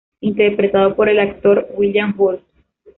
Interpretado por el actor William Hurt.